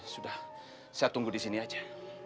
sudah saya tunggu di sini aja